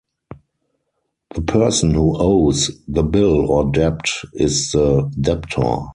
The person who owes the bill or debt is the debtor.